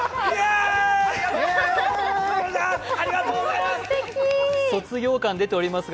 ありがとうございます。